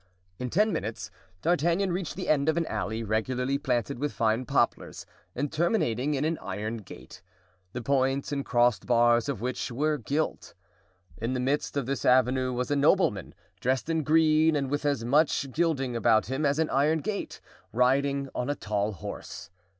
In ten minutes D'Artagnan reached the end of an alley regularly planted with fine poplars and terminating in an iron gate, the points and crossed bars of which were gilt. In the midst of this avenue was a nobleman, dressed in green and with as much gilding about him as the iron gate, riding on a tall horse.